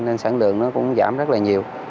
nên sản lượng nó cũng giảm rất là nhiều